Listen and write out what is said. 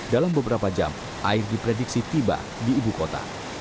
dalam beberapa jam air diprediksi tiba di ibu kota